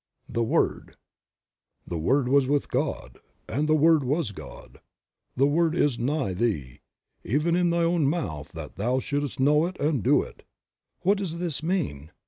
THE WORD. 66r THE Word was with God and the Word was God." "The Word is nigh thee, even in thy own mouth that thou shouldst know it and do it." What does this mean?